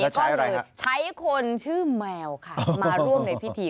แล้วใช้อะไรครับใช้คนชื่อแมวค่ะมาร่วมในพิธี